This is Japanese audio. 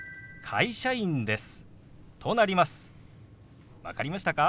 会社員です。